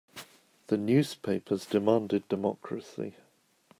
The newspapers demanded democracy.